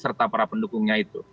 serta para pendukungnya itu